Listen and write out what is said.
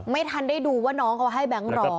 ไม่ทันได้ดูว่าน้องเขาให้แบงค์รอ